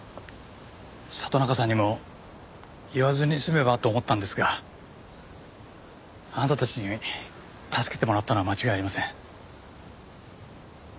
里中さんにも言わずに済めばと思ったんですがあなたたちに助けてもらったのは間違いありません。